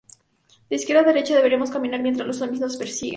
De izquierda a derecha deberemos caminar mientras los zombis nos persiguen.